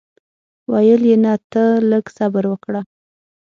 ویل یې نه ته لږ صبر وکړه.